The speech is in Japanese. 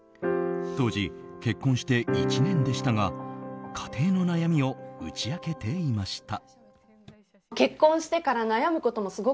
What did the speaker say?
当時、結婚して１年でしたが家庭の悩みを打ち明けていました。